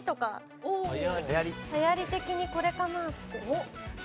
流行り的にこれかなって。